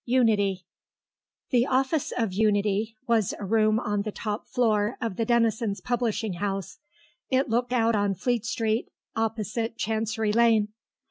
UNITY. The office of Unity was a room on the top floor of the Denisons' publishing house. It looked out on Fleet Street, opposite Chancery Lane.